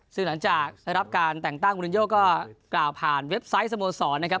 ซึ่งหลังจากได้รับการแต่งตั้งมูลินโยก็กล่าวผ่านเว็บไซต์สโมสรนะครับ